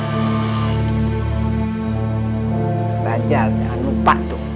belajar jangan lupa tuh